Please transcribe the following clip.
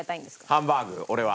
ハンバーグ俺は。